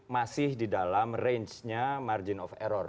masih di dalam rangenya margin of error